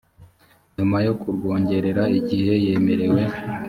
nyuma yo kurwongerera igihe yemerewe